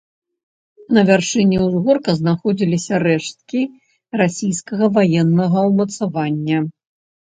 На вяршыні ўзгорка знаходзяцца рэшткі расійскага ваеннага ўмацавання.